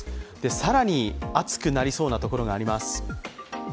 更に暑くなりそうなところがあります。